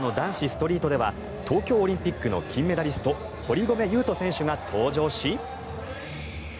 ストリートでは東京オリンピックの金メダリスト堀米雄斗選手が登場し。